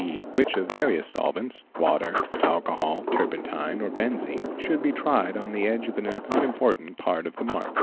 e., which of various solvents,—water, alcohol, turpentine, or benzine ~ hentia be :|§ tried on the edge of an unimportant part of the mark.